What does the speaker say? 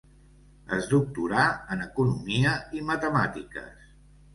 Es doctorà en Economia i Matemàtiques.